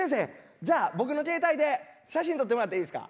じゃあ僕の携帯で写真撮ってもらっていいですか？